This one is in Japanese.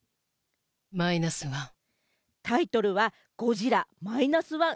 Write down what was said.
タイトルは『ゴジラ−１．０』。